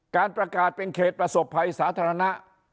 การประกาศเป็นเขตประสบภัยสาธารณะ